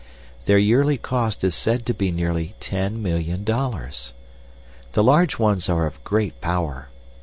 Their yearly cost is said to be nearly ten million dollars. The large ones are of great power.